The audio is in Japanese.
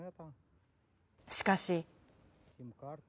しかし。